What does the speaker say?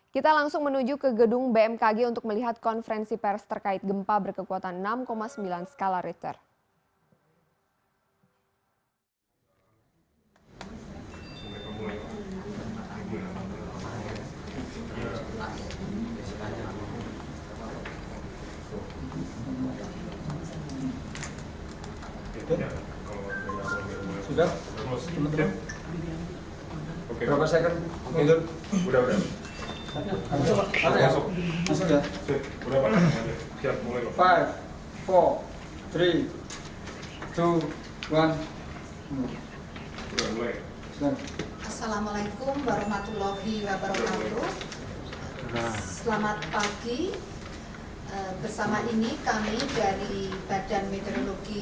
kita langsung menuju ke gedung bmkg untuk melihat konferensi pers terkait gempa berkekuatan enam sembilan skala richter